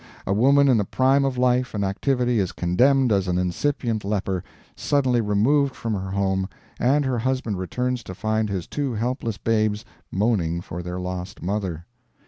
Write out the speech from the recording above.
"A woman in the prime of life and activity is condemned as an incipient leper, suddenly removed from her home, and her husband returns to find his two helpless babes moaning for their lost mother.